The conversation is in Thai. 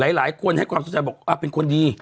หลายคนให้ความสนใจบอกเป็นคนดี